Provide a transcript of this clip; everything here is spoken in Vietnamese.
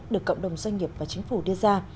được cộng đồng doanh nghiệp và chính phủ đưa ra